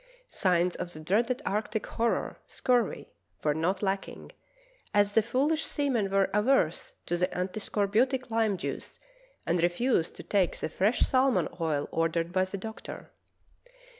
Signs of the dreaded arctic horror, scurvy, were not lacking, as the foolish seamen were averse to the antiscorbutic lime juice and refused to take the fresh salmon oil or dered by the doctor.